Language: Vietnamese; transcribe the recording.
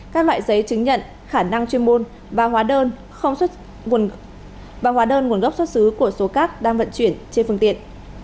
các loại giấy chứng nhận khả năng chuyên môn và hóa đơn nguồn gốc xuất xứ của số cát đang vận chuyển trên phương tiện